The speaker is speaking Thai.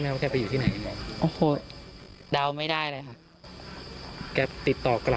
ยังค่ะยังไม่ติดต่อค่ะ